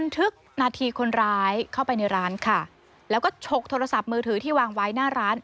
ทึกนาทีคนร้ายเข้าไปในร้านค่ะแล้วก็ฉกโทรศัพท์มือถือที่วางไว้หน้าร้าน